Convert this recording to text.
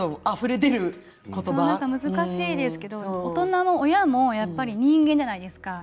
難しいですけど大人も親も人間じゃないですか。